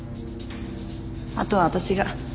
あとは私が。